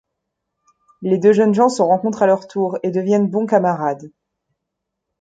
Les deux jeunes gens se rencontrent à leur tour et deviennent bons camarades.